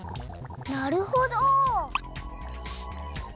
なるほど！